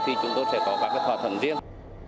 thì chúng tôi sẽ có các thỏa thuận riêng